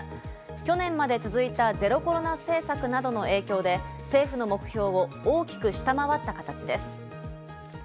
去年まで続いたゼロコロナ政策などの影響で政府の目標を大きく下回った形です。